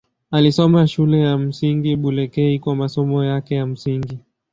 Alisoma Shule ya Msingi Bulekei kwa masomo yake ya msingi.